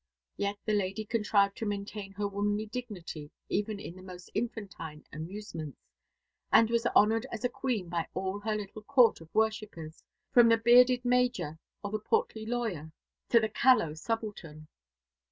Yet the lady contrived to maintain her womanly dignity even in the most infantine amusements, and was honoured as a queen by all her little court of worshippers, from the bearded major, or the portly lawyer, to the callow subaltern.